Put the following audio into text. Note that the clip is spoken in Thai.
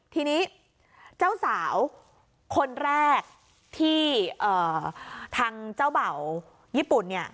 ทีนี้เจ้าสาวคนแรกที่ทางเจ้าเบ่าญี่ปุ่นเนี่ย